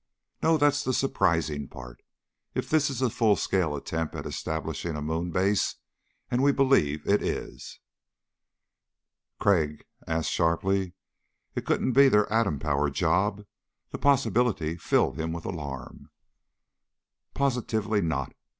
"No, that's the surprising part, if this is a full scale attempt at establishing a moon base. And we believe it is." Crag asked sharply. "It couldn't be their atom powered job?" The possibility filled him with alarm. "Positively not.